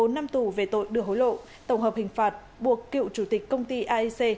một mươi bốn năm tù về tội đưa hối lộ tổng hợp hình phạt buộc cựu chủ tịch công ty aec